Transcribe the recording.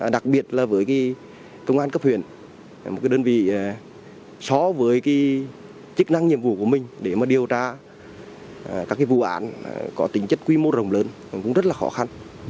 đặc biệt là với công an cấp huyện một đơn vị so với chức năng nhiệm vụ của mình để mà điều tra các vụ án có tính chất quy mô rồng lớn cũng rất là khó khăn